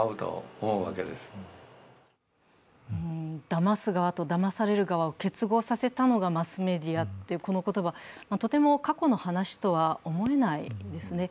だます側とだまされる側を結合させたのがマスメディアという言葉は、とても過去の話とは思えないですね。